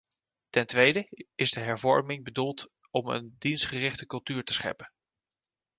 Ten tweede is de hervorming bedoeld om een dienstgerichte cultuur te scheppen.